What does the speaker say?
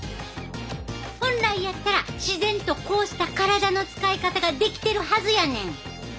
本来やったら自然とこうした体の使い方ができてるはずやねん。